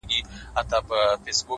هره تجربه د ژوند نوی درس دی,